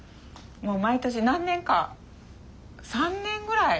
もう毎年何年か？